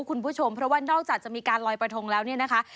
คุณผู้ชมเพราะว่านอกจากจะมีการลอยกระทงแล้วเนี่ยนะคะ